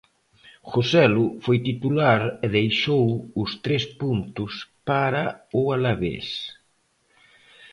Joselu foi titular e deixou os tres puntos para o Alavés.